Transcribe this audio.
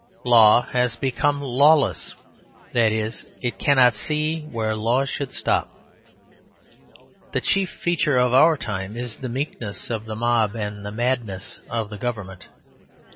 Law has become lawless; that is, it cannot see where laws should stop. The chief feature of our time is the meekness of the mob and the madness of the government.